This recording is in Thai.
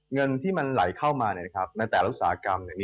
เงินที่มันไหลเข้ามาในแต่ละอุตสาหกรรม